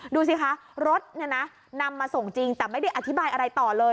ดูสิคะรถนำมาส่งจริงแต่ไม่ได้อธิบายอะไรต่อเลย